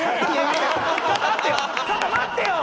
ちょっと待ってよ！